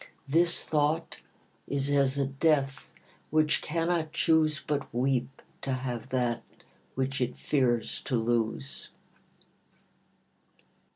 This thought is as a death, which cannot choose But weep to have that which it fears to lose.